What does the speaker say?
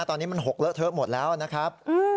ตอนนี้มันหกเลอะเทอะหมดแล้วนะครับ